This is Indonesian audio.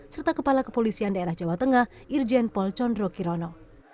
serta kepala kepolisian daerah jawa tengah irjen polcondro kirono